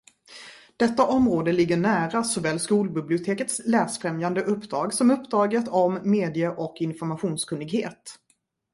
Detta område ligger nära såväl skolbibliotekets läsfrämjande uppdrag som uppdraget om medie- och informationskunnighet.